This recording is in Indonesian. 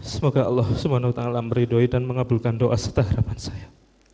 semoga allah semuanya tanggal amridoi dan mengabulkan doa seterapan saya